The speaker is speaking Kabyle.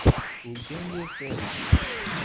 Turgam yir targit.